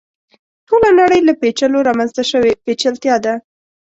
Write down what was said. ټوله نړۍ له پېچلو رامنځته شوې پېچلتیا ده.